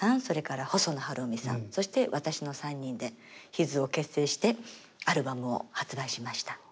それから細野晴臣さんそして私の３人でＨＩＳを結成してアルバムを発売しました。